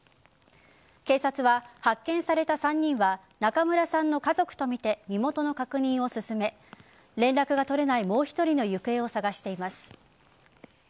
警察は発見された３人は中村さんの家族とみて身元の確認を進め連絡が取れないもう１人の行方を捜しています。